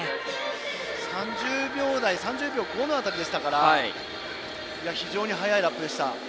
３０秒５の辺りでしたから非常に速いラップでした。